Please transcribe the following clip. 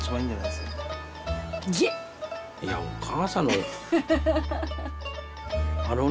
いやお母さんの。